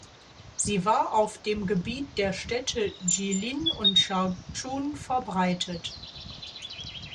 Sie war auf dem Gebiet der Städte Jilin und Changchun verbreitet.